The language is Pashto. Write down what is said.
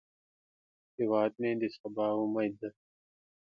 هیواد مې د سبا امید دی